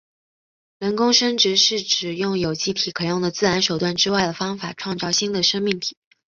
人工生殖是指用有机体可用的自然手段之外的方法创造新的生命体。